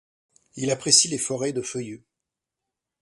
Il apprécie les forêts de feuillus.